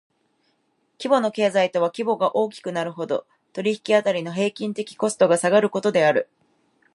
規模の経済とは規模が大きくなるほど、取引辺りの平均的コストが下がることである。